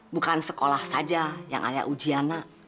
bukan sekolah saja yang hanya ujiannya